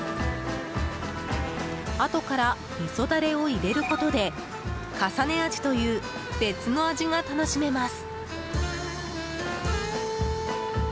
あとからみそダレを入れることでかさね味という別の味が楽しめます。